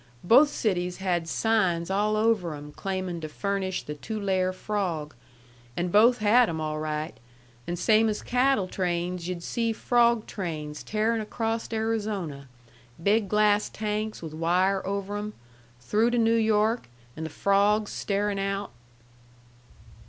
Both cities had signs all over 'em claiming to furnish the Tulare frawg. And both had 'em all right. And same as cattle trains, yu'd see frawg trains tearing acrosst Arizona big glass tanks with wire over 'em through to New York, an' the frawgs starin' out."